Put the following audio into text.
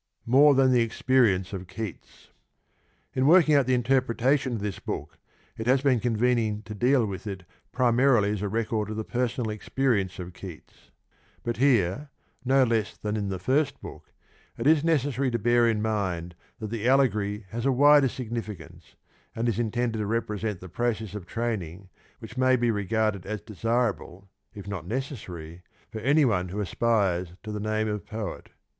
In working out the interpretation of this book it has JJ°'/J^^j^a?i the been convenient to deal with it primarily as a record of the personal experience of Keats ; but here, no less than in the first book, it is necessary to bear in mind that the allegory has a wider significance, and is intended to represent the process of training which may be regarded as desirable, if not necessary, for anyone who aspires to the name of poet.